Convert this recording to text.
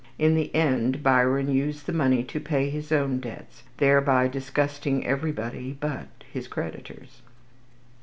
In the end, Byron used the money to pay his own debts, thereby disgusting everybody but his creditors.